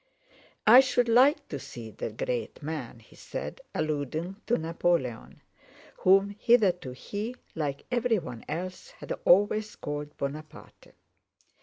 "I should like to see the great man," he said, alluding to Napoleon, whom hitherto he, like everyone else, had always called Buonaparte.